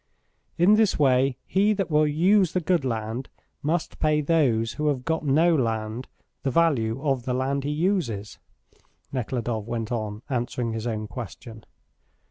In this way: he that will use the good land must pay those who have got no land the value of the land he uses," Nekhludoff went on, answering his own question.